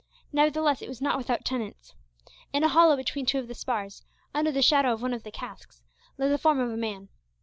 Nevertheless, it was not without tenants. In a hollow between two of the spars, under the shadow of one of the casks, lay the form of a man.